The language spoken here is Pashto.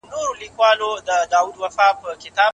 انارګل د لښتې د بې وسۍ درد احساس کړ.